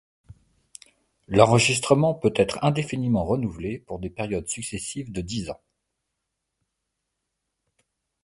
L’enregistrement peut être indéfiniment renouvelé pour des périodes successives de dix ans.